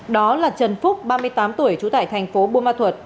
đó là trần phúc ba mươi tám tuổi trú tại thành phố buôn ma thuật